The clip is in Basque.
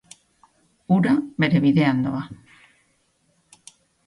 Ura bere bidean doa.